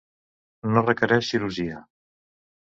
No requereix cirurgia.